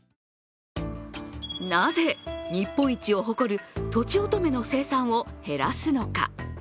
なぜ日本一を誇るとちおとめの生産を減らすのか。